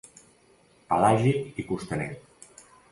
Pelàgic i costaner.